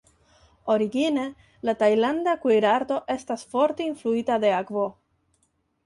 Origine la tajlanda kuirarto estas forte influita de akvo.